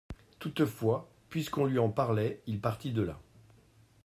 Toutefois, puisqu'on lui en parlait, il partit de là.